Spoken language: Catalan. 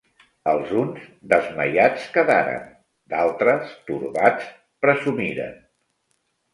Els uns desmaiats quedaren; d'altres, torbats, presumiren.